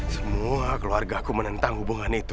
semua keluarga aku menentang hubungan itu